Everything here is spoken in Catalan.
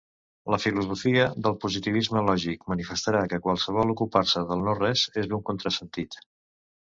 La filosofia del positivisme lògic manifestarà que qualsevol ocupar-se del no-res és un contrasentit.